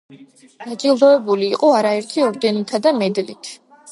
დაჯილდოებული იყო არაერთი ორდენითა და მედლით.